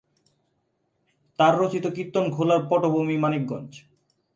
তার রচিত কিত্তনখোলা’র পটভূমি মানিকগঞ্জ।